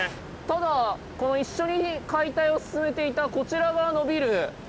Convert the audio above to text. ただこの一緒に解体を進めていたこちら側のビル